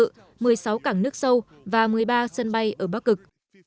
nga đã thiết lập được một mươi sáu cảng nước sâu và một mươi ba sân bay ở bắc cực